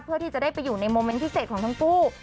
เพื่อที่จะได้ไปอยู่ในโมเมนต์พิเศษของทั้งคู่